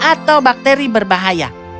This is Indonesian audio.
atau bakteri berbahaya